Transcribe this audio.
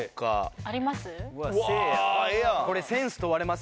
あります？